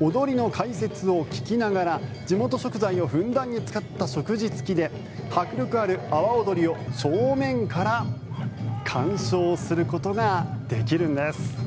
踊りの解説を聞きながら地元食材をふんだんに使った食事付きで迫力ある阿波おどりを正面から鑑賞することができるんです。